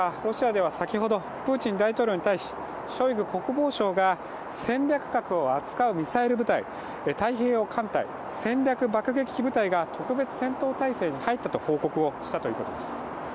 ロシアでは先ほどプーチン大統領に対し、ショイグ国防相が、戦略核を扱うミサイル部隊太平洋艦隊、戦略爆撃機部隊が特別戦闘態勢に入ったと報告したということです。